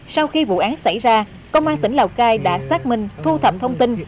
sau khi vụ án xảy ra công an tỉnh lào cai đã xác minh thu thập thông tin